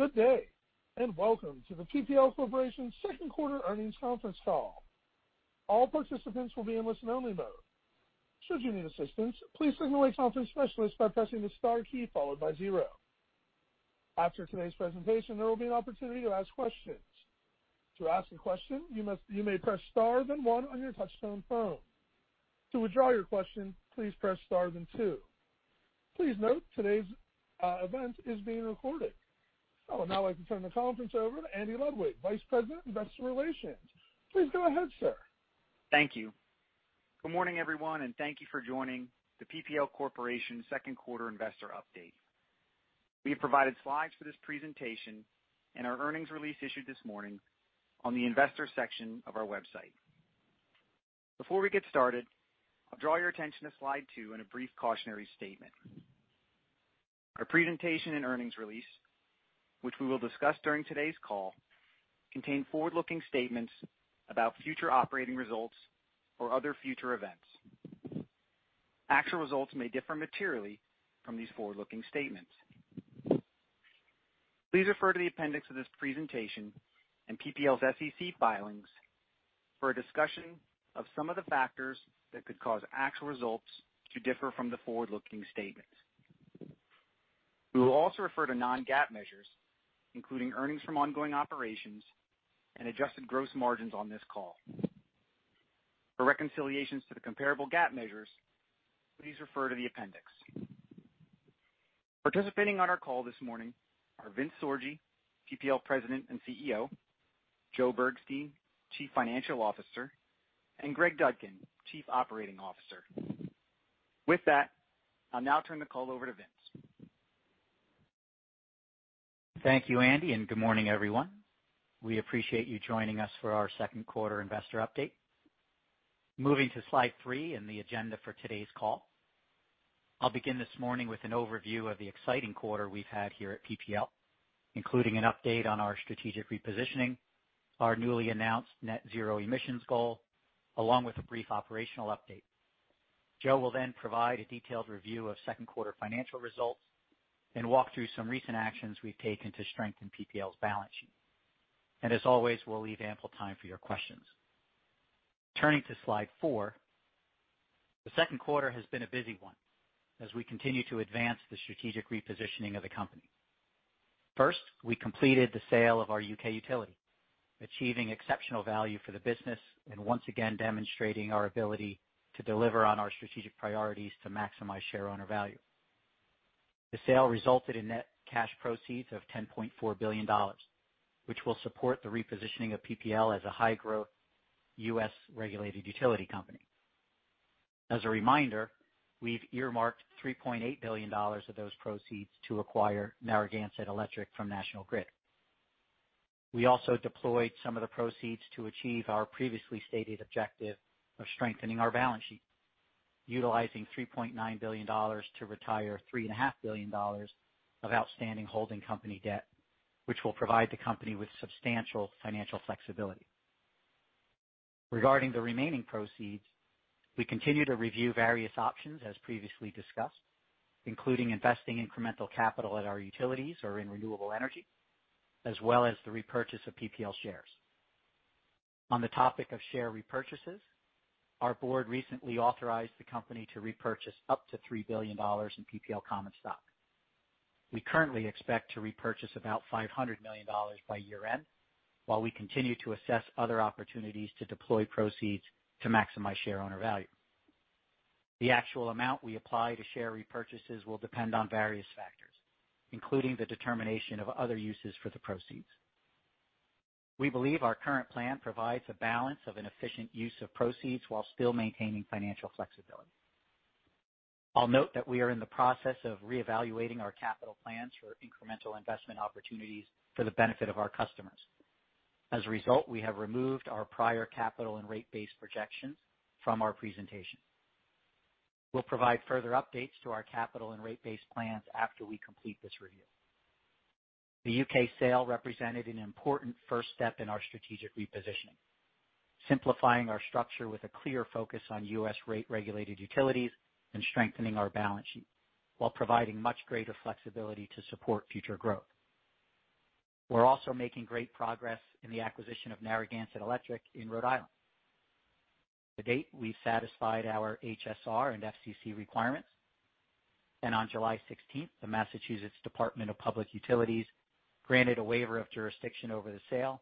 Good day, and welcome to the PPL Corporation's second quarter earnings conference call. All participants will be in listen only mode. Should you need assistance, please signal a conference specialist by pressing the star key followed by zero. After today's presentation, there will be an opportunity to ask questions. To ask a question, you may press star then one on your touchtone phone. To withdraw your question, please press star then two. Please note, today's event is being recorded. I would now like to turn the conference over to Andy Ludwig, Vice President, Investor Relations. Please go ahead, sir. Thank you. Good morning, everyone, and thank you for joining the PPL Corporation second quarter investor update. We have provided slides for this presentation and our earnings release issued this morning on the investor section of our website. Before we get started, I'll draw your attention to slide two and a brief cautionary statement. Our presentation and earnings release, which we will discuss during today's call, contain forward-looking statements about future operating results or other future events. Actual results may differ materially from these forward-looking statements. Please refer to the appendix of this presentation and PPL's SEC filings for a discussion of some of the factors that could cause actual results to differ from the forward-looking statements. We will also refer to non-GAAP measures, including earnings from ongoing operations and adjusted gross margins on this call. For reconciliations to the comparable GAAP measures, please refer to the appendix. Participating on our call this morning are Vince Sorgi, PPL President and CEO, Joe Bergstein, Chief Financial Officer, and Greg Dudkin, Chief Operating Officer. With that, I'll now turn the call over to Vince. Thank you, Andy, and good morning, everyone. We appreciate you joining us for our second quarter investor update. Moving to slide three and the agenda for today's call. I'll begin this morning with an overview of the exciting quarter we've had here at PPL, including an update on our strategic repositioning, our newly announced Net-Zero emissions goal, along with a brief operational update. Joe will then provide a detailed review of second quarter financial results and walk through some recent actions we've taken to strengthen PPL's balance sheet. As always, we'll leave ample time for your questions. Turning to slide four. The second quarter has been a busy one as we continue to advance the strategic repositioning of the company. First, we completed the sale of our U.K. utility, achieving exceptional value for the business and once again demonstrating our ability to deliver on our strategic priorities to maximize share owner value. The sale resulted in net cash proceeds of $10.4 billion, which will support the repositioning of PPL as a high-growth U.S. regulated utility company. As a reminder, we've earmarked $3.8 billion of those proceeds to acquire Narragansett Electric from National Grid. We also deployed some of the proceeds to achieve our previously stated objective of strengthening our balance sheet, utilizing $3.9 billion to retire three and a half billion dollars of outstanding holding company debt, which will provide the company with substantial financial flexibility. Regarding the remaining proceeds, we continue to review various options as previously discussed, including investing incremental capital at our utilities or in renewable energy, as well as the repurchase of PPL shares. On the topic of share repurchases, our board recently authorized the company to repurchase up to $3 billion in PPL common stock. We currently expect to repurchase about $500 million by year-end, while we continue to assess other opportunities to deploy proceeds to maximize share owner value. The actual amount we apply to share repurchases will depend on various factors, including the determination of other uses for the proceeds. We believe our current plan provides a balance of an efficient use of proceeds while still maintaining financial flexibility. I'll note that we are in the process of reevaluating our capital plans for incremental investment opportunities for the benefit of our customers. As a result, we have removed our prior capital and rate base projections from our presentation. We'll provide further updates to our capital and rate base plans after we complete this review. The U.K. sale represented an important first step in our strategic repositioning, simplifying our structure with a clear focus on U.S. rate-regulated utilities and strengthening our balance sheet while providing much greater flexibility to support future growth. We're also making great progress in the acquisition of Narragansett Electric in Rhode Island. To date, we've satisfied our HSR and FCC requirements. On July 16th, the Massachusetts Department of Public Utilities granted a waiver of jurisdiction over the sale,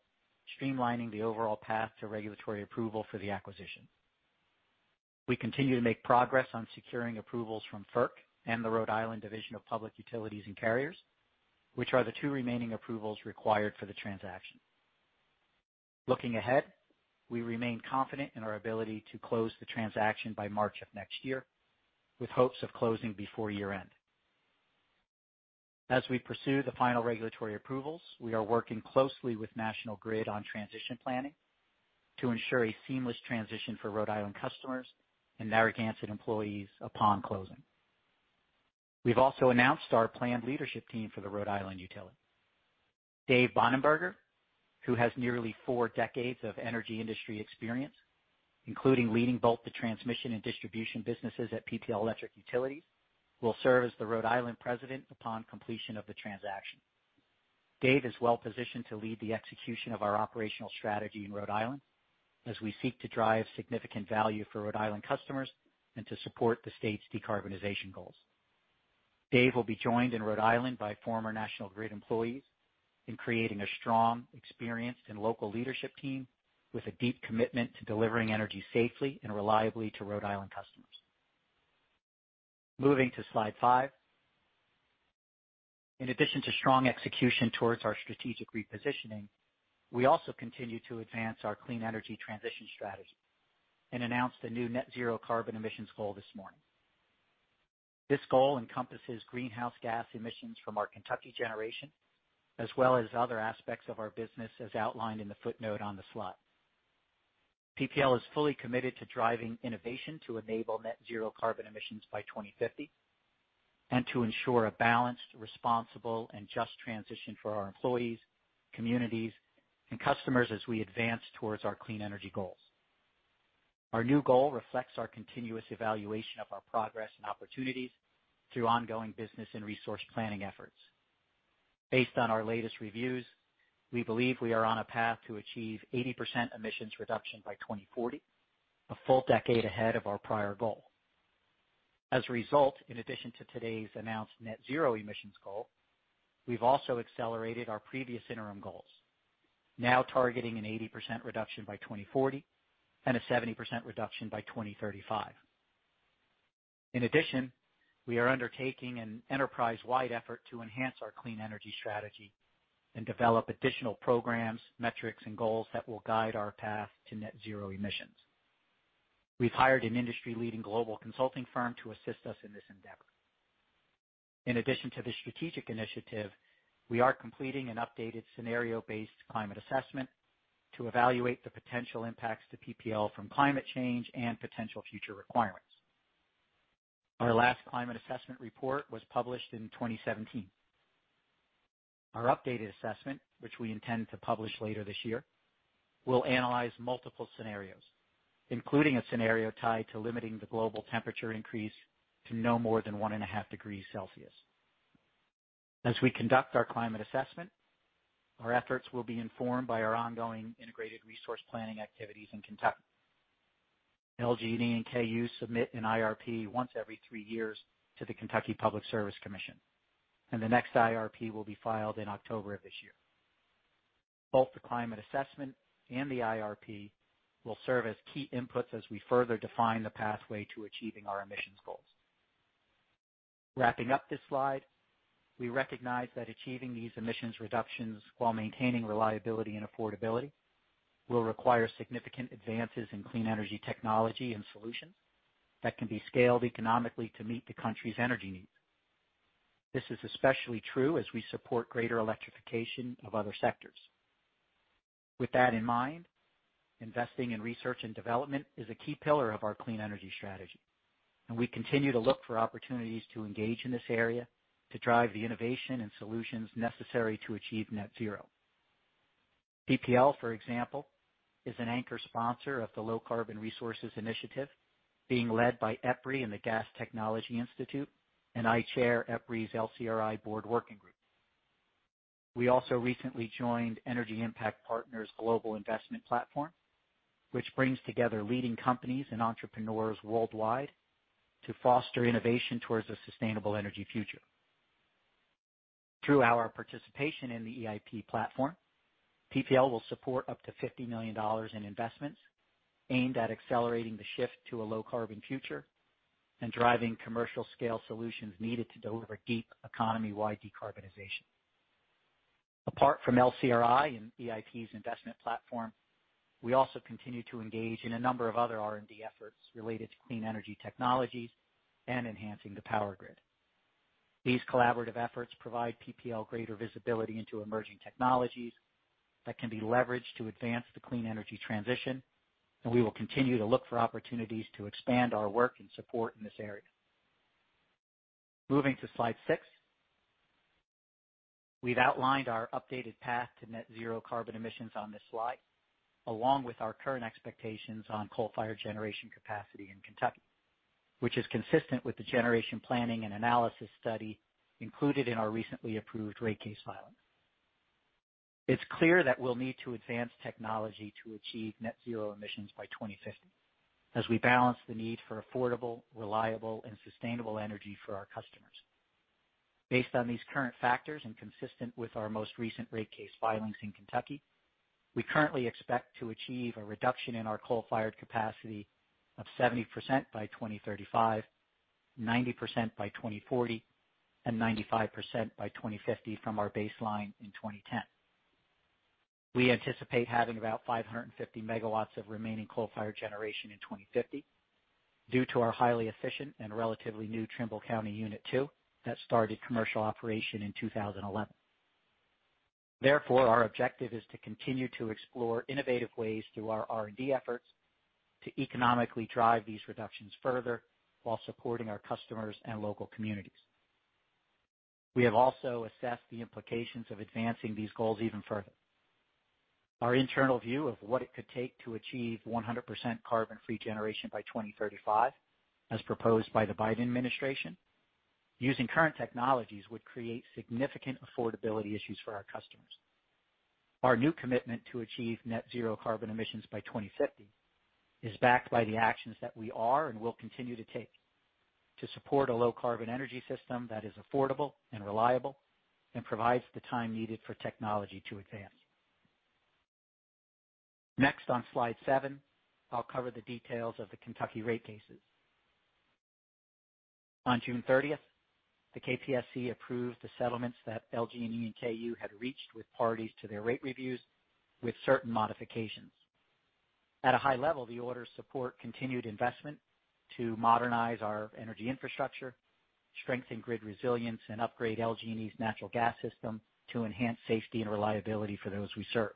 streamlining the overall path to regulatory approval for the acquisition. We continue to make progress on securing approvals from FERC and the Rhode Island Division of Public Utilities and Carriers, which are the two remaining approvals required for the transaction. Looking ahead, we remain confident in our ability to close the transaction by March of next year with hopes of closing before year-end. As we pursue the final regulatory approvals, we are working closely with National Grid on transition planning to ensure a seamless transition for Rhode Island customers and Narragansett employees upon closing. We've also announced our planned leadership team for the Rhode Island utility. David J. Bonenberger, who has nearly four decades of energy industry experience, including leading both the transmission and distribution businesses at PPL Electric Utilities, will serve as the Rhode Island President upon completion of the transaction. David is well-positioned to lead the execution of our operational strategy in Rhode Island as we seek to drive significant value for Rhode Island customers and to support the state's decarbonization goals. Dave will be joined in Rhode Island by former National Grid employees in creating a strong, experienced, and local leadership team with a deep commitment to delivering energy safely and reliably to Rhode Island customers. Moving to slide five. In addition to strong execution towards our strategic repositioning, we also continue to advance our clean energy transition strategy and announce the new net zero carbon emissions goal this morning. This goal encompasses greenhouse gas emissions from our Kentucky generation, as well as other aspects of our business, as outlined in the footnote on the slide. PPL is fully committed to driving innovation to enable net zero carbon emissions by 2050 and to ensure a balanced, responsible, and just transition for our employees, communities, and customers as we advance towards our clean energy goals. Our new goal reflects our continuous evaluation of our progress and opportunities through ongoing business and resource planning efforts. Based on our latest reviews, we believe we are on a path to achieve 80% emissions reduction by 2040, a full decade ahead of our prior goal. As a result, in addition to today's announced net zero emissions goal, we've also accelerated our previous interim goals, now targeting an 80% reduction by 2040 and a 70% reduction by 2035. In addition, we are undertaking an enterprise-wide effort to enhance our clean energy strategy and develop additional programs, metrics, and goals that will guide our path to net zero emissions. We've hired an industry-leading global consulting firm to assist us in this endeavor. In addition to the strategic initiative, we are completing an updated scenario-based climate assessment to evaluate the potential impacts to PPL from climate change and potential future requirements. Our last climate assessment report was published in 2017. Our updated assessment, which we intend to publish later this year, will analyze multiple scenarios, including a scenario tied to limiting the global temperature increase to no more than one and a half degrees Celsius. As we conduct our climate assessment, our efforts will be informed by our ongoing integrated resource planning activities in Kentucky. LG&E and KU submit an IRP once every three years to the Kentucky Public Service Commission. The next IRP will be filed in October of this year. Both the climate assessment and the IRP will serve as key inputs as we further define the pathway to achieving our emissions goals. Wrapping up this slide, we recognize that achieving these emissions reductions while maintaining reliability and affordability will require significant advances in clean energy technology and solutions that can be scaled economically to meet the country's energy needs. This is especially true as we support greater electrification of other sectors. With that in mind, investing in research and development is a key pillar of our clean energy strategy, and we continue to look for opportunities to engage in this area to drive the innovation and solutions necessary to achieve net zero. PPL, for example, is an anchor sponsor of the Low-Carbon Resources Initiative being led by EPRI and the Gas Technology Institute, and I chair EPRI's LCRI board working group. We also recently joined Energy Impact Partners global investment platform, which brings together leading companies and entrepreneurs worldwide to foster innovation towards a sustainable energy future. Through our participation in the EIP platform, PPL will support up to $50 million in investments aimed at accelerating the shift to a low-carbon future and driving commercial-scale solutions needed to deliver deep economy-wide decarbonization. Apart from LCRI and EIP's investment platform, we also continue to engage in a number of other R&D efforts related to clean energy technologies and enhancing the power grid. These collaborative efforts provide PPL greater visibility into emerging technologies that can be leveraged to advance the clean energy transition. We will continue to look for opportunities to expand our work and support in this area. Moving to slide six. We've outlined our updated path to net zero carbon emissions on this slide, along with our current expectations on coal-fired generation capacity in Kentucky, which is consistent with the generation planning and analysis study included in our recently approved rate case filing. It's clear that we'll need to advance technology to achieve net zero emissions by 2050 as we balance the need for affordable, reliable, and sustainable energy for our customers. Based on these current factors and consistent with our most recent rate case filings in Kentucky, we currently expect to achieve a reduction in our coal-fired capacity of 70% by 2035, 90% by 2040, and 95% by 2050 from our baseline in 2010. We anticipate having about 550 MW of remaining coal-fired generation in 2050 due to our highly efficient and relatively new Trimble County Unit 2 that started commercial operation in 2011. Therefore, our objective is to continue to explore innovative ways through our R&D efforts to economically drive these reductions further while supporting our customers and local communities. We have also assessed the implications of advancing these goals even further. Our internal view of what it could take to achieve 100% carbon-free generation by 2035, as proposed by the Biden administration, using current technologies would create significant affordability issues for our customers. Our new commitment to achieve net zero carbon emissions by 2050 is backed by the actions that we are and will continue to take to support a low carbon energy system that is affordable and reliable and provides the time needed for technology to advance. Next, on slide seven, I'll cover the details of the Kentucky rate cases. On June 30th, the KPSC approved the settlements that LG&E and KU had reached with parties to their rate reviews with certain modifications. At a high level, the orders support continued investment to modernize our energy infrastructure, strengthen grid resilience, and upgrade LG&E's natural gas system to enhance safety and reliability for those we serve.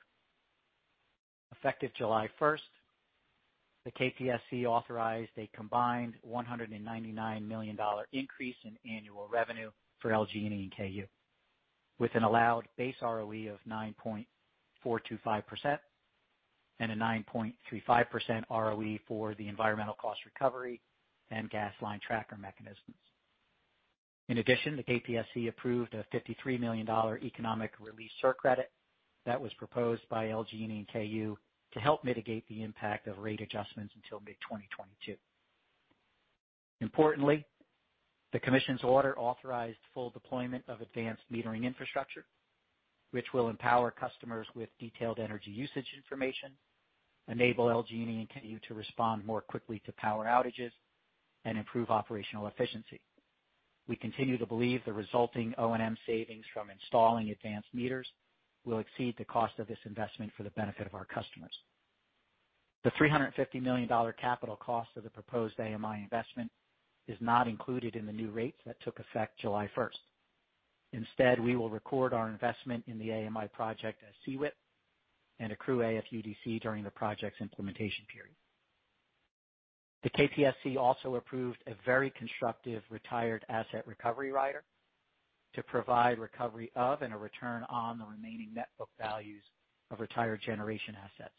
Effective July 1st, the KPSC authorized a combined $199 million increase in annual revenue for LG&E and KU, with an allowed base ROE of 9.425% and a 9.35% ROE for the environmental cost recovery and gas line tracker mechanisms. In addition, the KPSC approved a $53 million economic relief surcredit that was proposed by LG&E and KU to help mitigate the impact of rate adjustments until mid-2022. Importantly, the commission's order authorized full deployment of advanced metering infrastructure, which will empower customers with detailed energy usage information, enable LG&E and KU to respond more quickly to power outages, and improve operational efficiency. We continue to believe the resulting O&M savings from installing advanced meters will exceed the cost of this investment for the benefit of our customers. The $350 million capital cost of the proposed AMI investment is not included in the new rates that took effect July 1st. Instead, we will record our investment in the AMI project as CWIP and accrue AFUDC during the project's implementation period. The KPSC also approved a very constructive retired asset recovery rider to provide recovery of and a return on the remaining net book values of retired generation assets,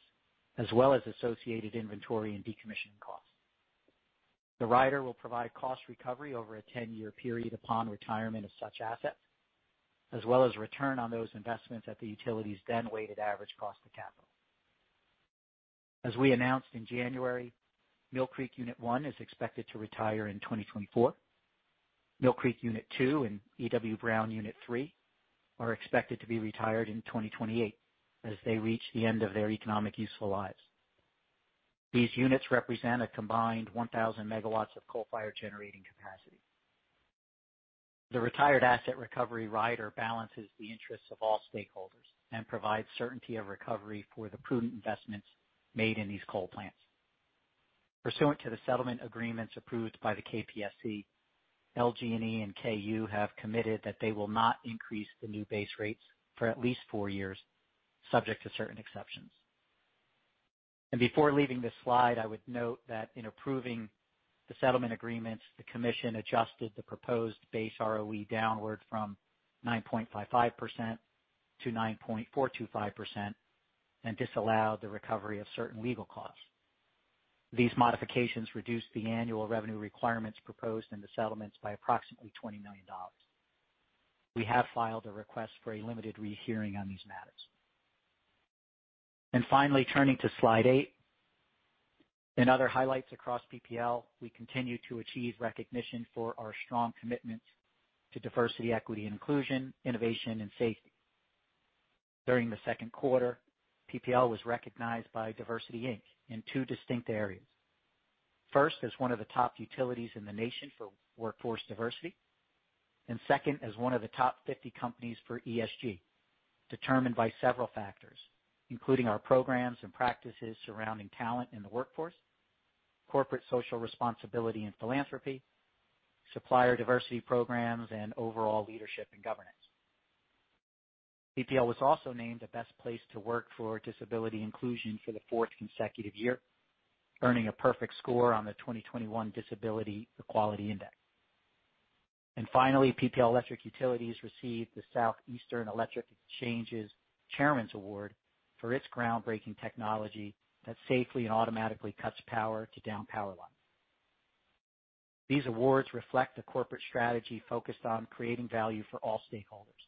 as well as associated inventory and decommissioning costs. The rider will provide cost recovery over a 10-year period upon retirement of such assets, as well as return on those investments at the utility's then weighted average cost of capital. As we announced in January, Mill Creek Unit 1 is expected to retire in 2024. Mill Creek Unit 2 and E.W. Brown Unit 3 are expected to be retired in 2028 as they reach the end of their economic useful lives. These units represent a combined 1,000 megawatts of coal-fired generating capacity. The retired asset recovery rider balances the interests of all stakeholders and provides certainty of recovery for the prudent investments made in these coal plants. Pursuant to the settlement agreements approved by the KPSC, LG&E and KU have committed that they will not increase the new base rates for at least four years, subject to certain exceptions. Before leaving this slide, I would note that in approving the settlement agreements, the commission adjusted the proposed base ROE downward from 9.55% to 9.425% and disallowed the recovery of certain legal costs. These modifications reduced the annual revenue requirements proposed in the settlements by approximately $20 million. We have filed a request for a limited rehearing on these matters. Finally, turning to slide eight. In other highlights across PPL, we continue to achieve recognition for our strong commitment to diversity, equity, and inclusion, innovation, and safety. During the second quarter, PPL was recognized by DiversityInc in two distinct areas. First, as one of the top utilities in the nation for workforce diversity, second, as one of the top 50 companies for ESG, determined by several factors, including our programs and practices surrounding talent in the workforce, corporate social responsibility and philanthropy, supplier diversity programs, and overall leadership and governance. PPL was also named a best place to work for disability inclusion for the fourth consecutive year, earning a perfect score on the 2021 Disability Equality Index. Finally, PPL Electric Utilities received the Southeastern Electric Exchange's Chairman's Award for its groundbreaking technology that safely and automatically cuts power to downed power lines. These awards reflect a corporate strategy focused on creating value for all stakeholders,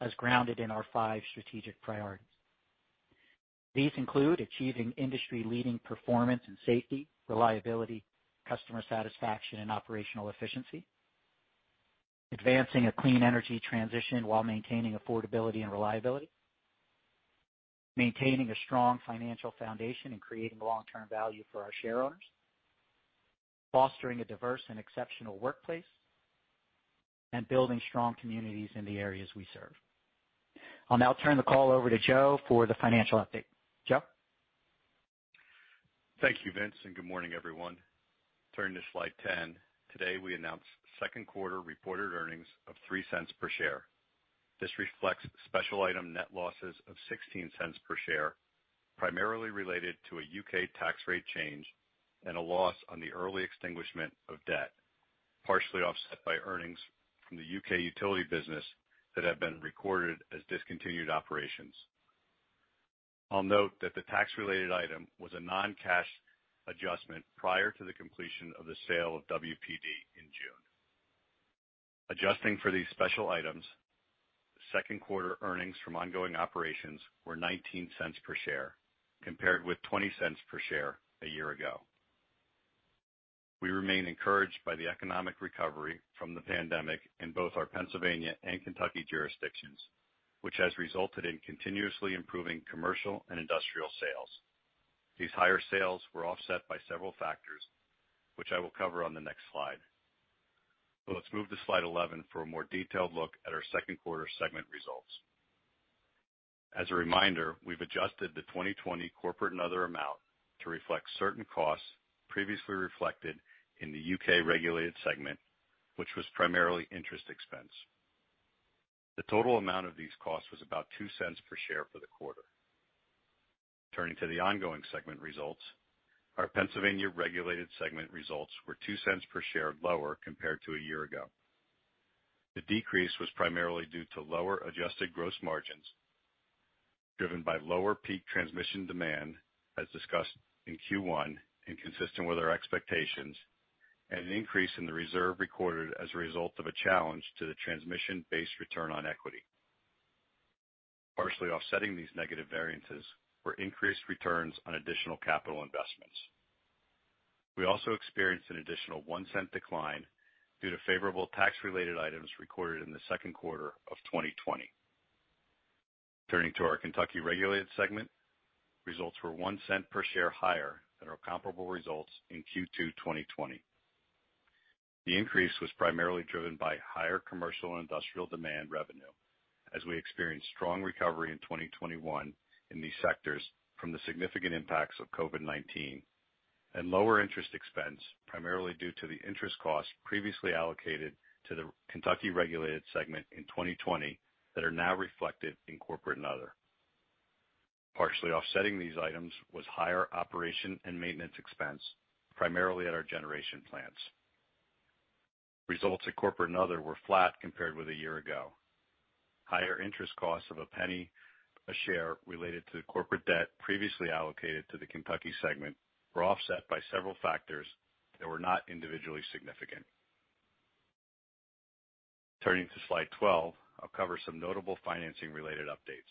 as grounded in our five strategic priorities. These include achieving industry-leading performance and safety, reliability, customer satisfaction, and operational efficiency. Advancing a clean energy transition while maintaining affordability and reliability. Maintaining a strong financial foundation and creating long-term value for our shareholders. Fostering a diverse and exceptional workplace. Building strong communities in the areas we serve. I'll now turn the call over to Joe for the financial update. Joe? Thank you, Vince, and good morning, everyone. Turning to slide 10. Today, we announced second quarter reported earnings of $0.03 per share. This reflects special item net losses of $0.16 per share, primarily related to a U.K. tax rate change and a loss on the early extinguishment of debt, partially offset by earnings from the U.K. utility business that have been recorded as discontinued operations. I'll note that the tax-related item was a non-cash adjustment prior to the completion of the sale of WPD in June. Adjusting for these special items, the second quarter earnings from ongoing operations were $0.19 per share, compared with $0.20 per share a year ago. We remain encouraged by the economic recovery from the pandemic in both our Pennsylvania and Kentucky jurisdictions, which has resulted in continuously improving commercial and industrial sales. These higher sales were offset by several factors, which I will cover on the next slide. Let's move to slide 11 for a more detailed look at our second quarter segment results. As a reminder, we've adjusted the 2020 corporate and other amount to reflect certain costs previously reflected in the U.K. regulated segment, which was primarily interest expense. The total amount of these costs was about $0.02 per share for the quarter. Turning to the ongoing segment results, our Pennsylvania regulated segment results were $0.02 per share lower compared to a year ago. The decrease was primarily due to lower adjusted gross margins, driven by lower peak transmission demand as discussed in Q1 and consistent with our expectations, and an increase in the reserve recorded as a result of a challenge to the transmission-based return on equity. Partially offsetting these negative variances were increased returns on additional capital investments. We also experienced an additional $0.01 decline due to favorable tax-related items recorded in the second quarter of 2020. Turning to our Kentucky regulated segment, results were $0.01 per share higher than our comparable results in Q2 2020. The increase was primarily driven by higher commercial and industrial demand revenue, as we experienced strong recovery in 2021 in these sectors from the significant impacts of COVID-19, and lower interest expense, primarily due to the interest cost previously allocated to the Kentucky regulated segment in 2020 that are now reflected in Corporate and Other. Partially offsetting these items was higher operation and maintenance expense, primarily at our generation plants. Results at Corporate and Other were flat compared with a year ago. Higher interest costs of $0.01 a share related to the corporate debt previously allocated to the Kentucky segment were offset by several factors that were not individually significant. Turning to slide 12, I'll cover some notable financing-related updates.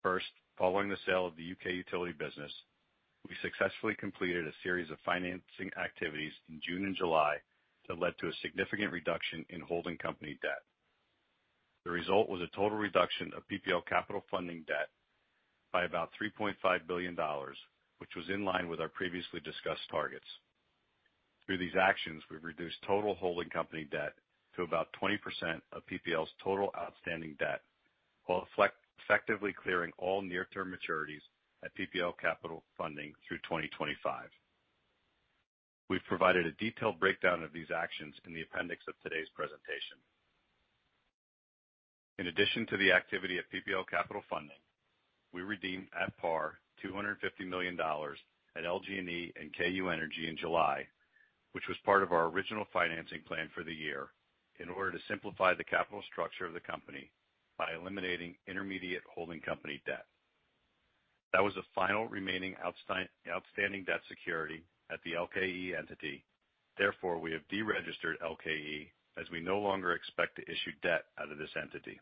First, following the sale of the U.K. utility business, we successfully completed a series of financing activities in June and July that led to a significant reduction in holding company debt. The result was a total reduction of PPL Capital Funding debt by about $3.5 billion, which was in line with our previously discussed targets. Through these actions, we've reduced total holding company debt to about 20% of PPL's total outstanding debt, while effectively clearing all near-term maturities at PPL Capital Funding through 2025. We've provided a detailed breakdown of these actions in the appendix of today's presentation. In addition to the activity at PPL Capital Funding, we redeemed at par $250 million at LG&E and KU Energy in July, which was part of our original financing plan for the year, in order to simplify the capital structure of the company by eliminating intermediate holding company debt. That was the final remaining outstanding debt security at the LKE entity. Therefore, we have deregistered LKE, as we no longer expect to issue debt out of this entity.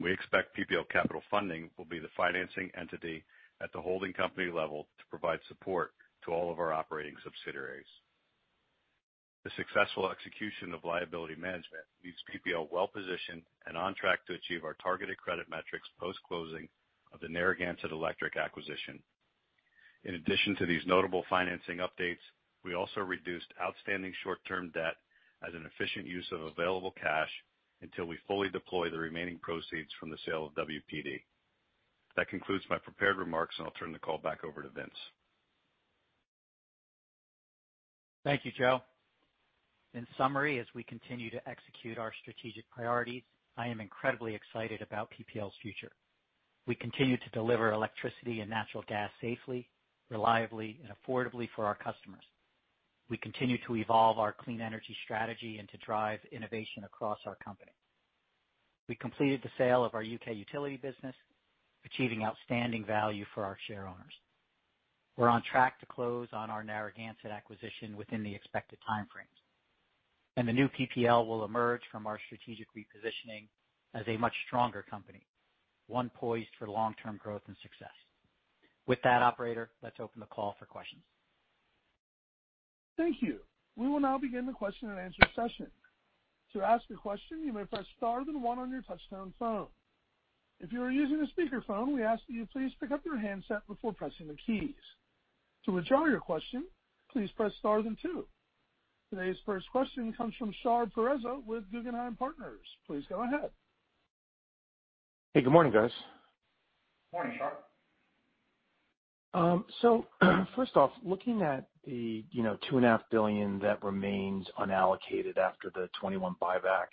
We expect PPL Capital Funding will be the financing entity at the holding company level to provide support to all of our operating subsidiaries. The successful execution of liability management leaves PPL well-positioned and on track to achieve our targeted credit metrics post-closing of the Narragansett Electric acquisition. In addition to these notable financing updates, we also reduced outstanding short-term debt as an efficient use of available cash until we fully deploy the remaining proceeds from the sale of WPD. That concludes my prepared remarks, and I'll turn the call back over to Vince. Thank you, Joe. In summary, as we continue to execute our strategic priorities, I am incredibly excited about PPL's future. We continue to deliver electricity and natural gas safely, reliably, and affordably for our customers. We continue to evolve our clean energy strategy and to drive innovation across our company. We completed the sale of our U.K. utility business, achieving outstanding value for our shareowners. We're on track to close on our Narragansett acquisition within the expected timeframes. The new PPL will emerge from our strategic repositioning as a much stronger company, one poised for long-term growth and success. With that, operator, let's open the call for questions. Thank you. We will now begin the question and answer session. Today's first question comes from Shar Pourreza with Guggenheim Partners. Please go ahead. Hey, good morning, guys. Morning, Shar. First off, looking at the $2.5 billion that remains unallocated after the 2021 buyback,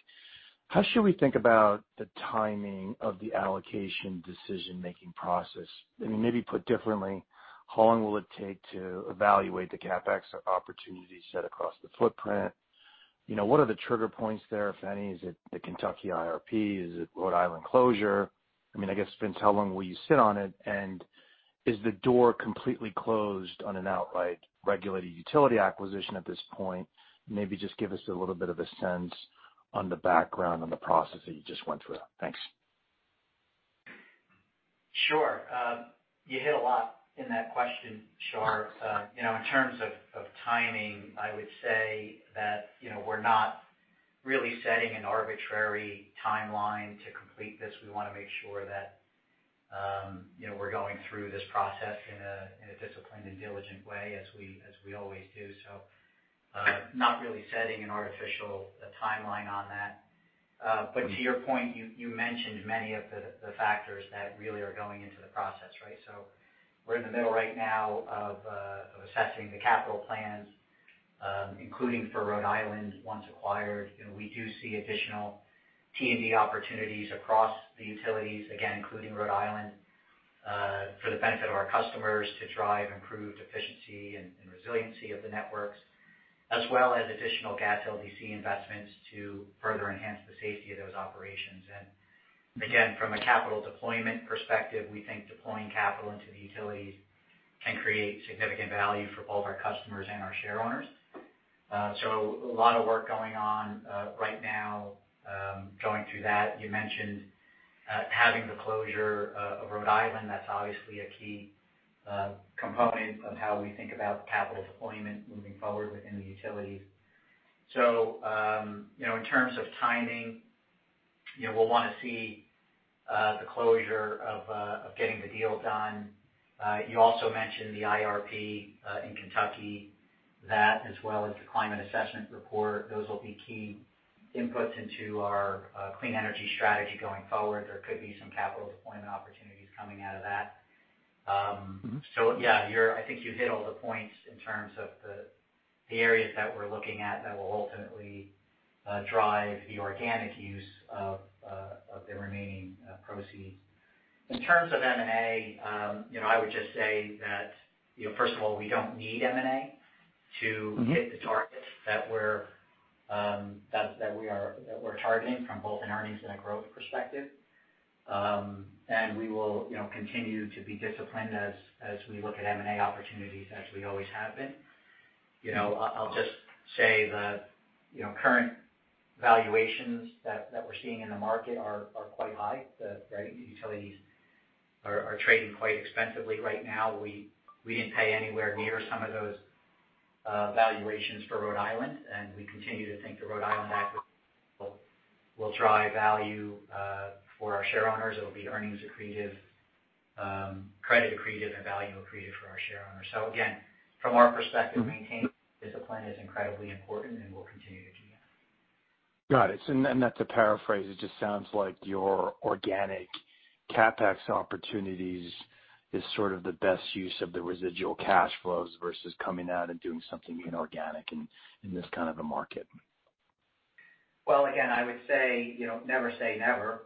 how should we think about the timing of the allocation decision-making process? I mean, maybe put differently, how long will it take to evaluate the CapEx opportunities set across the footprint? What are the trigger points there, if any? Is it the Kentucky IRP? Is it Rhode Island closure? I guess it depends how long will you sit on it, and is the door completely closed on an outright regulated utility acquisition at this point? Maybe just give us a little bit of a sense on the background on the process that you just went through. Thanks. Sure. You hit a lot in that question, Shar. In terms of timing, I would say that we're not really setting an arbitrary timeline to complete this. We want to make sure that we're going through this process in a disciplined and diligent way as we always do. Not really setting an artificial timeline on that. To your point, you mentioned many of the factors that really are going into the process, right? We're in the middle right now of assessing the capital plans, including for Rhode Island, once acquired. We do see additional T&D opportunities across the utilities, again, including Rhode Island, for the benefit of our customers to drive improved efficiency and resiliency of the networks, as well as additional gas LDC investments to further enhance the safety of those operations. Again, from a capital deployment perspective, we think deploying capital into the utilities can create significant value for both our customers and our share owners. A lot of work going on right now, going through that. You mentioned having the closure of Rhode Island, that's obviously a key component of how we think about capital deployment moving forward within the utilities. In terms of timing, we'll want to see the closure of getting the deal done. You also mentioned the IRP in Kentucky. That as well as the climate assessment report, those will be key inputs into our clean energy strategy going forward. There could be some capital deployment opportunities coming out of that. Yeah, I think you hit all the points in terms of the areas that we're looking at that will ultimately drive the organic use of the remaining proceeds. In terms of M&A, I would just say that, first of all, we don't need M&A. hit the targets that we're targeting from both an earnings and a growth perspective. We will continue to be disciplined as we look at M&A opportunities as we always have been. I'll just say the current valuations that we're seeing in the market are quite high, right? Utilities are trading quite expensively right now. We didn't pay anywhere near some of those valuations for Rhode Island. We continue to think that Rhode Island will drive value for our share owners. It'll be earnings accretive, credit accretive, and value accretive for our share owners. Again, from our perspective. Maintaining discipline is incredibly important. We'll continue to do that. Got it. Not to paraphrase, it just sounds like your organic CapEx opportunities is sort of the best use of the residual cash flows versus coming out and doing something inorganic in this kind of a market. Well, again, I would say, never say never.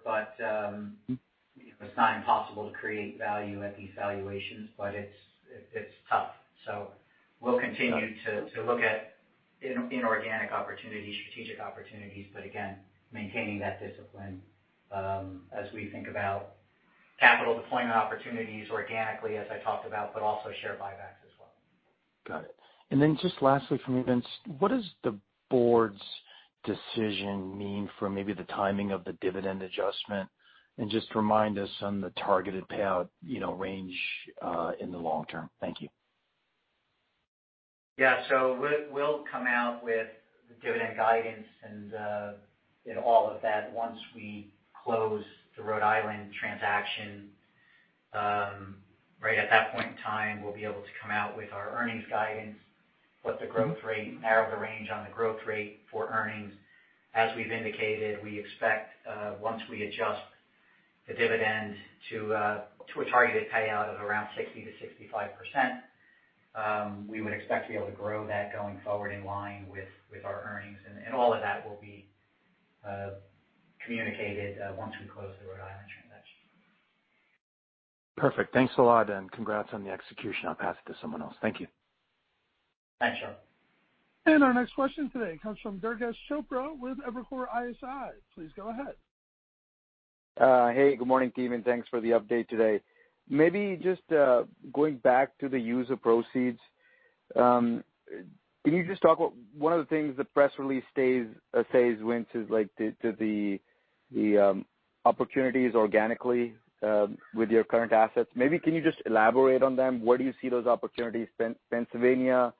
It's not impossible to create value at these valuations, but it's tough. We'll continue to look at inorganic opportunities, strategic opportunities, but again, maintaining that discipline as we think about capital deployment opportunities organically, as I talked about, but also share buybacks as well. Got it. Just lastly from me, Vince, what does the board's decision mean for maybe the timing of the dividend adjustment? Just remind us on the targeted payout range in the long term. Thank you. Yeah. We'll come out with the dividend guidance and all of that once we close the Rhode Island transaction. Right at that point in time, we'll be able to come out with our earnings guidance, what the growth rate, narrow the range on the growth rate for earnings. As we've indicated, we expect, once we adjust the dividend to a targeted payout of around 60%-65%, we would expect to be able to grow that going forward in line with our earnings. All of that will be communicated once we close the Rhode Island transaction. Perfect. Thanks a lot. Congrats on the execution. I'll pass it to someone else. Thank you. Thanks, Shar. Our next question today comes from Durgesh Chopra with Evercore ISI. Please go ahead. Hey, good morning, team, and thanks for the update today. Maybe just going back to the use of proceeds, can you just talk about one of the things the press release says went to the opportunities organically with your current assets. Maybe can you just elaborate on them? Where do you see those opportunities? Pennsylvania,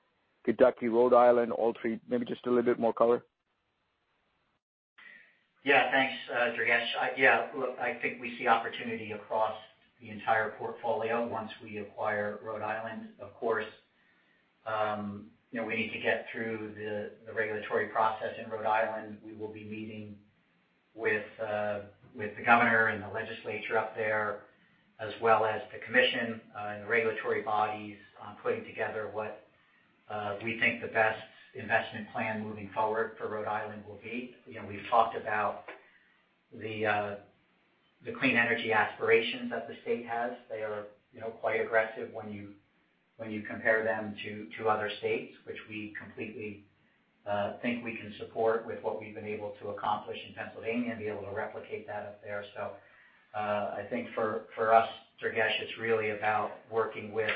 Kentucky, Rhode Island, all three. Maybe just a little bit more color. Thanks, Durgesh. Look, I think we see opportunity across the entire portfolio once we acquire Rhode Island. Of course. We need to get through the regulatory process in Rhode Island. We will be meeting with the governor and the legislature up there, as well as the commission and the regulatory bodies on putting together what we think the best investment plan moving forward for Rhode Island will be. We've talked about the clean energy aspirations that the state has. They are quite aggressive when you compare them to other states, which we completely think we can support with what we've been able to accomplish in Pennsylvania and be able to replicate that up there. I think for us, Durgesh, it's really about working with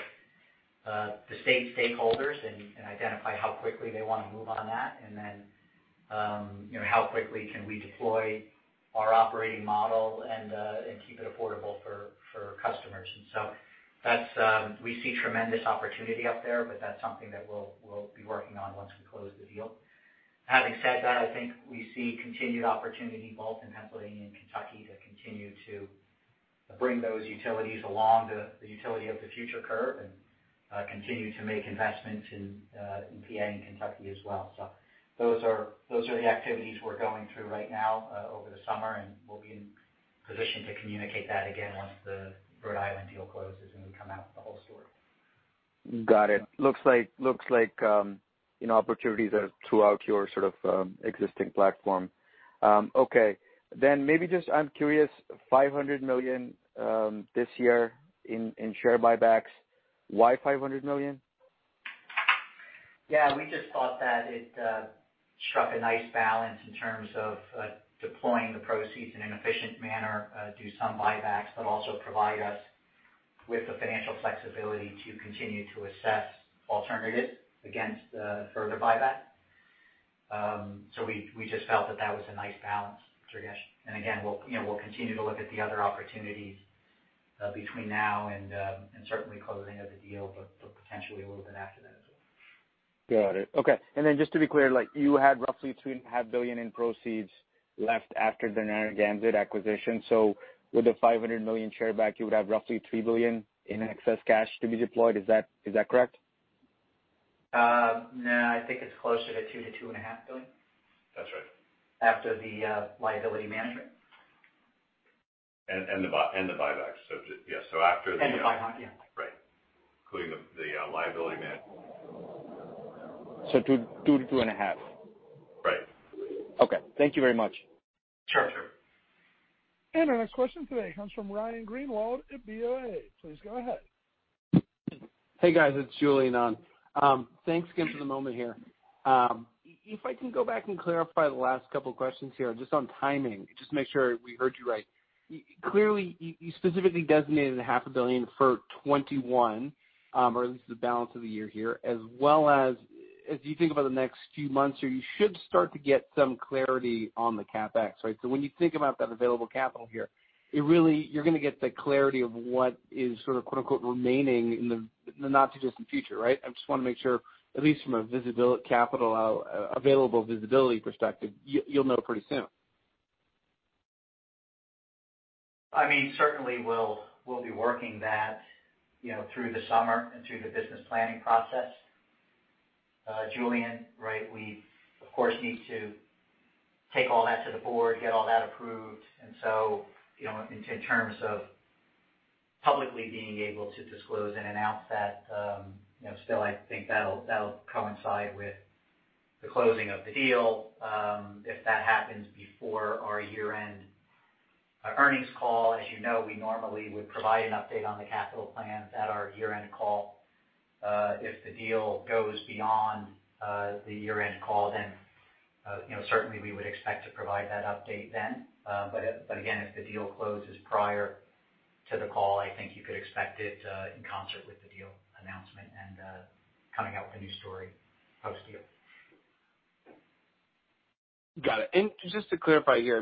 the state stakeholders and identify how quickly they want to move on that, and then how quickly can we deploy our operating model and keep it affordable for customers. We see tremendous opportunity up there, but that's something that we'll be working on once we close the deal. Having said that, I think we see continued opportunity both in Pennsylvania and Kentucky to continue to bring those utilities along the utility-of-the-future curve and continue to make investments in PA and Kentucky as well. Those are the activities we're going through right now over the summer, and we'll be in position to communicate that again once the Rhode Island deal closes, and we come out with the whole story. Got it. Looks like opportunities are throughout your existing platform. Okay, maybe just, I'm curious, $500 million this year in share buybacks. Why $500 million? Yeah, we just thought that it struck a nice balance in terms of deploying the proceeds in an efficient manner, do some buybacks, but also provide us with the financial flexibility to continue to assess alternatives against the further buyback. We just felt that that was a nice balance, Durgesh. Again, we'll continue to look at the other opportunities between now and certainly closing of the deal, but potentially a little bit after that as well. Got it. Okay. Just to be clear, you had roughly $2.5 billion in proceeds left after the Narragansett acquisition. With the $500 million share buyback, you would have roughly $3 billion in excess cash to be deployed. Is that correct? No, I think it's closer to $2 billion-$2.5 billion. That's right. After the liability management. The buybacks. Yes. The buyback, yeah. Right. Including the liability management. $2 billion-$2.5 billion. Right. Okay. Thank you very much. Sure. Our next question today comes from Ryan Greenwald at BofA. Please go ahead. Hey, guys, it's Julien on. Thanks again for the moment here. If I can go back and clarify the last two questions here, just on timing, just make sure we heard you right. Clearly, you specifically designated $500 million for 2021, or at least the balance of the year here. As well as you think about the next few months here, you should start to get some clarity on the CapEx, right? When you think about that available capital here, you're going to get the clarity of what is sort of quote, unquote, "remaining in the not-too-distant future," right? I just want to make sure, at least from an available visibility perspective, you'll know pretty soon. I mean, certainly, we'll be working that through the summer and through the business planning process. Julien, right, we of course need to take all that to the board, get all that approved. In terms of publicly being able to disclose and announce that, still I think that'll coincide with the closing of the deal. If that happens before our year-end earnings call, as you know, we normally would provide an update on the capital plans at our year-end call. If the deal goes beyond the year-end call, certainly we would expect to provide that update then. Again, if the deal closes prior to the call, I think you could expect it in concert with the deal announcement and coming out with a new story post-deal. Got it. Just to clarify here,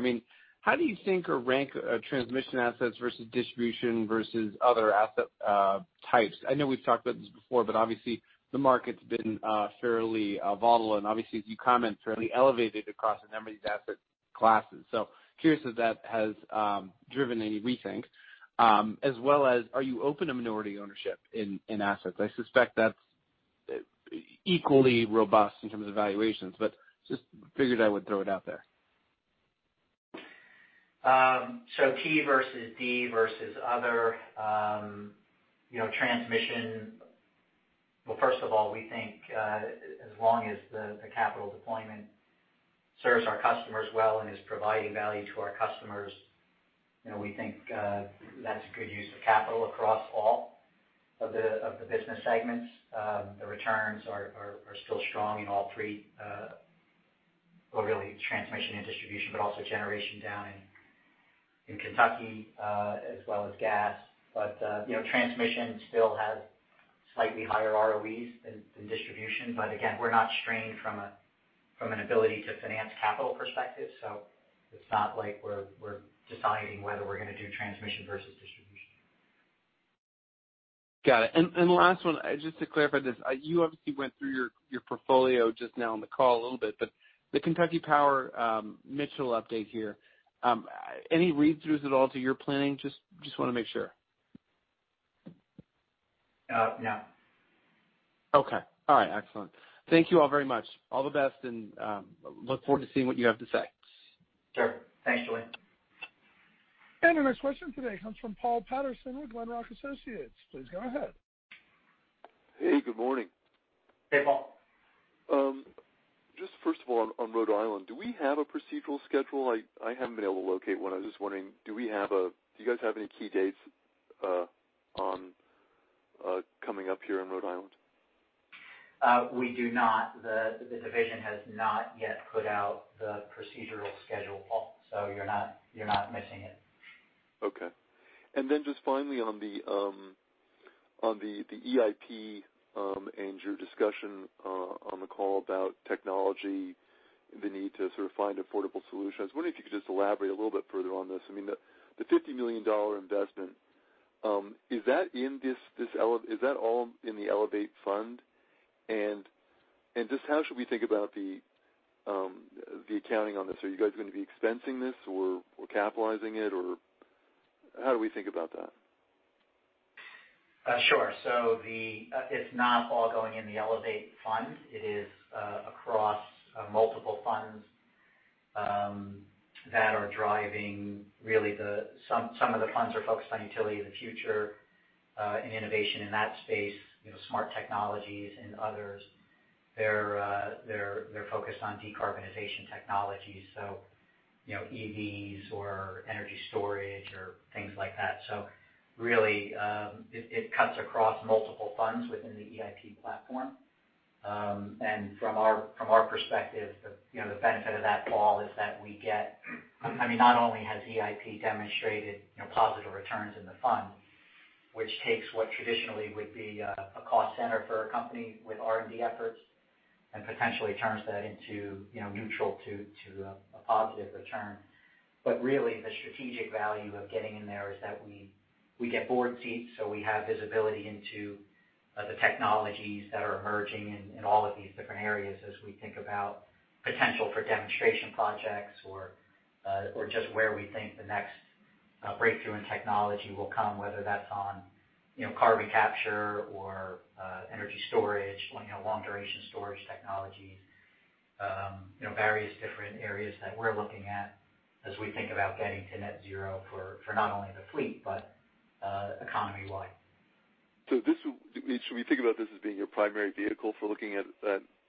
how do you think or rank transmission assets versus distribution versus other asset types? I know we've talked about this before, but obviously the market's been fairly volatile and obviously, as you comment, fairly elevated across a number of these asset classes. Curious if that has driven any rethink. As well as are you open to minority ownership in assets? I suspect that's equally robust in terms of valuations, but just figured I would throw it out there. T versus D versus other. Transmission. First of all, we think as long as the capital deployment serves our customers well and is providing value to our customers, we think that's a good use of capital across all of the business segments. The returns are still strong in all three. Transmission and distribution, but also generation down in Kentucky, as well as gas. Transmission still has slightly higher ROEs than distribution. Again, we're not strained from an ability-to-finance capital perspective. It's not like we're deciding whether we're going to do transmission versus distribution. Got it. The last one, just to clarify this, you obviously went through your portfolio just now on the call a little bit, but the Kentucky Power Mitchell update here. Any read-throughs at all to your planning? Just want to make sure. Yeah. Okay. All right. Excellent. Thank you all very much. All the best, and look forward to seeing what you have to say. Sure. Thanks, Julien. Our next question today comes from Paul Patterson with Glenrock Associates. Please go ahead. Hey, good morning. Hey, Paul. Just first of all, on Rhode Island, do we have a procedural schedule? I haven't been able to locate one. I was just wondering, do you guys have any key dates coming up here in Rhode Island? We do not. The division has not yet put out the procedural schedule, Paul. You're not missing it. Okay. Then just finally on the EIP and your discussion on the call about technology, the need to sort of find affordable solutions, wondering if you could just elaborate a little bit further on this. I mean, the $50 million investment, is that all in the Elevate Fund? Just how should we think about the accounting on this? Are you guys going to be expensing this or capitalizing it, or how do we think about that? Sure. It's not all going in the Elevate Fund. It is across multiple funds that are driving. Some of the funds are focused on utility of the future and innovation in that space, smart technologies and others. They're focused on decarbonization technologies, so EVs or energy storage or things like that. Really, it cuts across multiple funds within the EIP platform. From our perspective, the benefit of that, Paul, is that I mean, not only has EIP demonstrated positive returns in the fund, which takes what traditionally would be a cost center for a company with R&D efforts and potentially turns that into neutral to a positive return. Really, the strategic value of getting in there is that we get board seats, so we have visibility into the technologies that are emerging in all of these different areas as we think about potential for demonstration projects or just where we think the next breakthrough in technology will come, whether that's on carbon capture or energy storage, long duration storage technologies. Various different areas that we're looking at as we think about getting to net zero for not only the fleet, but economy-wide. Should we think about this as being your primary vehicle for looking at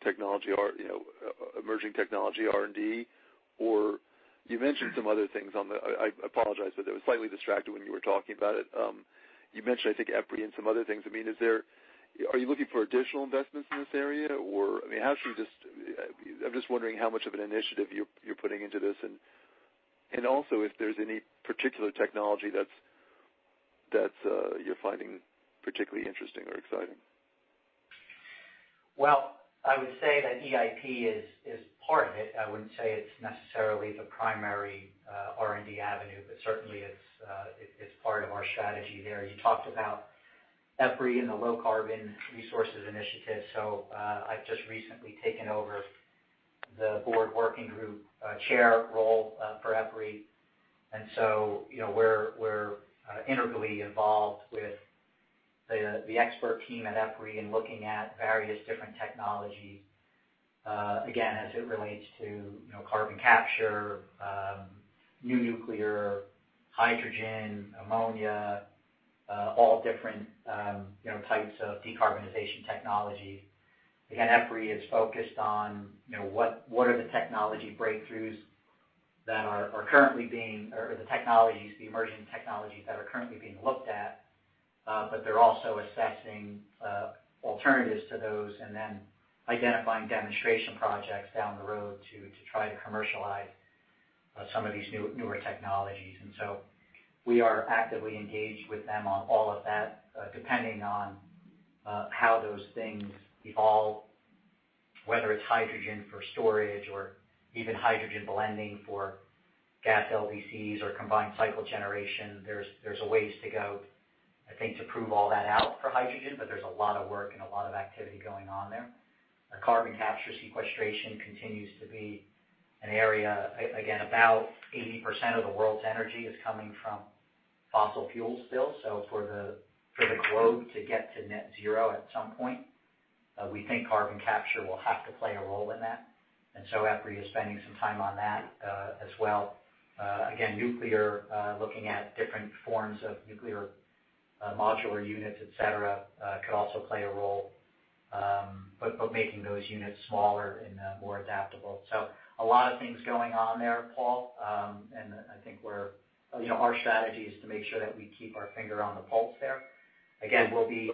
emerging technology R&D? You mentioned some other things. I apologize, but I was slightly distracted when you were talking about it. You mentioned, I think, EPRI and some other things. I mean, are you looking for additional investments in this area? I mean, I'm just wondering how much of an initiative you're putting into this, and also if there's any particular technology that you're finding particularly interesting or exciting. Well, I would say that EIP is part of it. I wouldn't say it's necessarily the primary R&D avenue, but certainly it's part of our strategy there. You talked about EPRI and the Low-Carbon Resources Initiative. I've just recently taken over the board working group chair role for EPRI. We're integrally involved with the expert team at EPRI in looking at various different technologies. Again, as it relates to carbon capture, new nuclear, hydrogen, ammonia, all different types of decarbonization technology. Again, EPRI is focused on what are the technology breakthroughs that are currently being or the emerging technologies that are currently being looked at. They're also assessing alternatives to those and then identifying demonstration projects down the road to try to commercialize some of these newer technologies. We are actively engaged with them on all of that, depending on how those things evolve, whether it's hydrogen for storage or even hydrogen blending for gas LDCs or combined cycle generation. There's a ways to go, I think, to prove all that out for hydrogen, but there's a lot of work and a lot of activity going on there. Carbon capture sequestration continues to be an area. Again, about 80% of the world's energy is coming from fossil fuels still. For the globe to get to net zero at some point, we think carbon capture will have to play a role in that. EPRI is spending some time on that as well. Again, nuclear, looking at different forms of nuclear modular units, et cetera, could also play a role, making those units smaller and more adaptable. A lot of things going on there, Paul. I think our strategy is to make sure that we keep our finger on the pulse there. Again, we'll be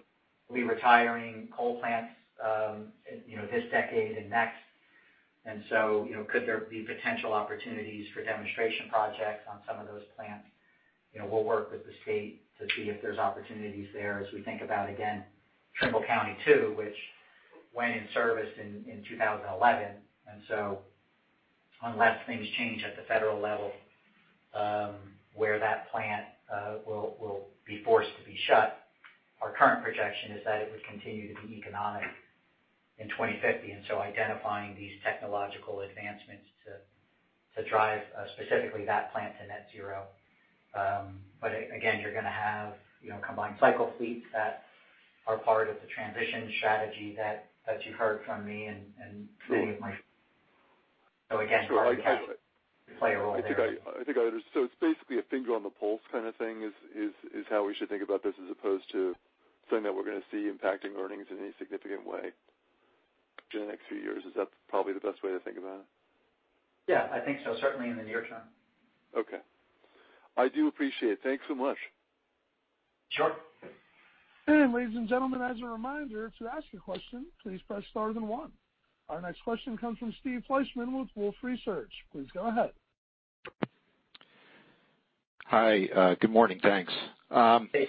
retiring coal plants this decade and next. Could there be potential opportunities for demonstration projects on some of those plants? We'll work with the state to see if there's opportunities there as we think about, again, Trimble County 2, which went in service in 2011. Unless things change at the federal level, where that plant will be forced to be shut, our current projection is that it would continue to be economic in 2050. Identifying these technological advancements to drive specifically that plant to net zero. Again, you're going to have combined cycle fleets that are part of the transition strategy that you heard from me. Sure. Again, part of that play a role there. I think I understand. It's basically a finger on the pulse kind of thing is how we should think about this as opposed to something that we're going to see impacting earnings in any significant way during the next few years. Is that probably the best way to think about it? Yeah, I think so, certainly in the near term. Okay. I do appreciate it. Thanks so much. Sure. Ladies and gentlemen, as a reminder, to ask a question, please press star then one. Our next question comes from Steve Fleishman with Wolfe Research. Please go ahead. Hi. Good morning. Thanks. Hey, Steve.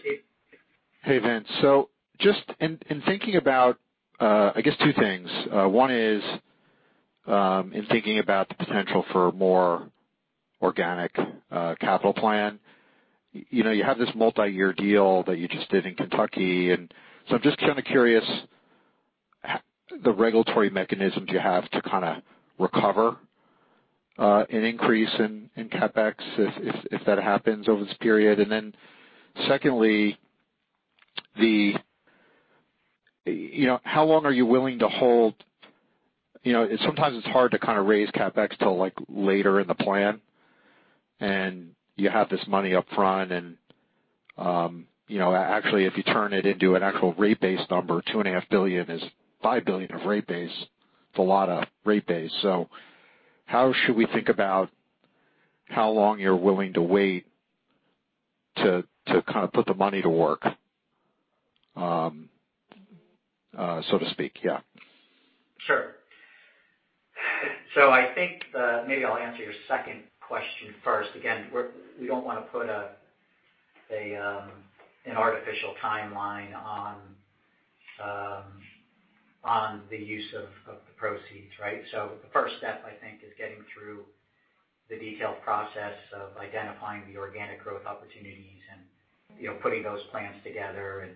Hey, Vince. Just in thinking about, I guess two things. One is in thinking about the potential for more organic capital plan. You have this multi-year deal that you just did in Kentucky, I'm just kind of curious, the regulatory mechanisms you have to kind of recover an increase in CapEx if that happens over this period. Secondly, how long are you willing to hold, sometimes it's hard to kind of raise CapEx till later in the plan, and you have this money upfront. Actually, if you turn it into an actual rate base number, two and a half billion is $5 billion of rate base. It's a lot of rate base. How should we think about how long you're willing to wait to kind of put the money to work, so to speak? Yeah. Sure. I think maybe I'll answer your second question first. Again, we don't want to put an artificial timeline on the use of the proceeds, right? The first step, I think, is getting through the detailed process of identifying the organic growth opportunities and putting those plans together. To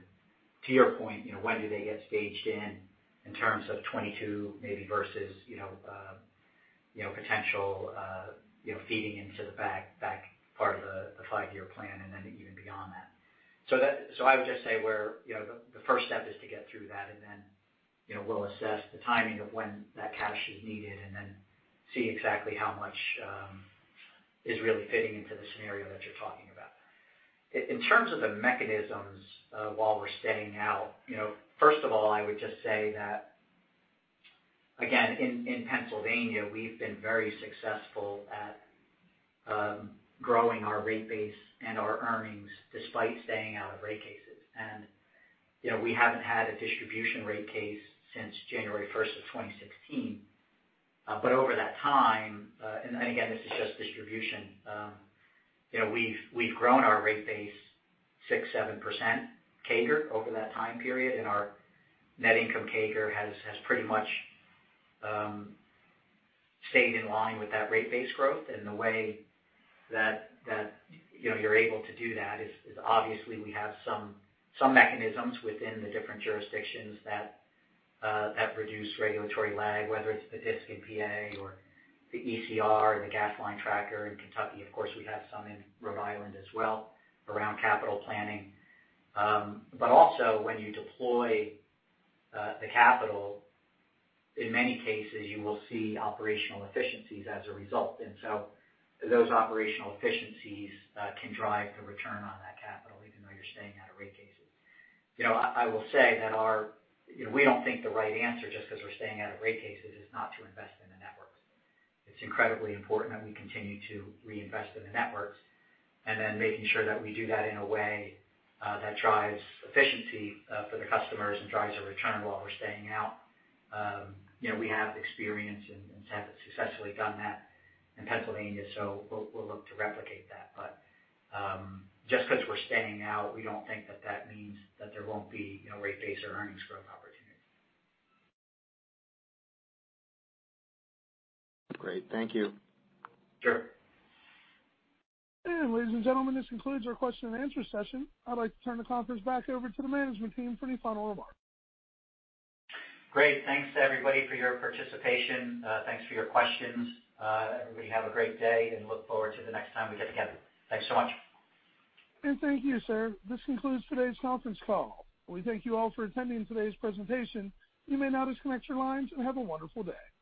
your point, when do they get staged in terms of 2022 maybe versus potential feeding into the back part of the five-year plan and then even beyond that. I would just say the first step is to get through that, and then we'll assess the timing of when that cash is needed and then see exactly how much is really fitting into the scenario that you're talking about. In terms of the mechanisms while we're staying out, first of all, I would just say that, again, in Pennsylvania, we've been very successful at growing our rate base and our earnings despite staying out of rate cases. We haven't had a distribution rate case since January 1st of 2016. Over that time, and again, this is just distribution, we've grown our rate base 6%-7% CAGR over that time period, and our net income CAGR has pretty much stayed in line with that rate base growth. The way that you're able to do that is obviously we have some mechanisms within the different jurisdictions that reduce regulatory lag, whether it's the DSIC in PA or the ECR or the gas line tracker in Kentucky. Of course, we have some in Rhode Island as well around capital planning. Also when you deploy the capital, in many cases, you will see operational efficiencies as a result. Those operational efficiencies can drive the return on that capital even though you're staying out of rate cases. I will say that we don't think the right answer, just because we're staying out of rate cases, is not to invest in the networks. It's incredibly important that we continue to reinvest in the networks, and then making sure that we do that in a way that drives efficiency for the customers and drives a return while we're staying out. We have experience and have successfully done that in Pennsylvania, so we'll look to replicate that. Just because we're staying out, we don't think that that means that there won't be rate base or earnings growth opportunity. Great. Thank you. Sure. Ladies and gentlemen, this concludes our question and answer session. I'd like to turn the conference back over to the management team for any final remarks. Great. Thanks, everybody, for your participation. Thanks for your questions. Everybody have a great day and look forward to the next time we get together. Thanks so much. Thank you, sir. This concludes today's conference call. We thank you all for attending today's presentation. You may now disconnect your lines and have a wonderful day.